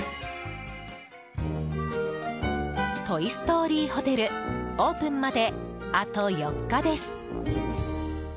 トイ・ストーリーホテルオープンまで、あと４日です。